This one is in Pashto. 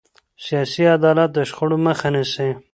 سیاسي عدالت د شخړو مخه نیسي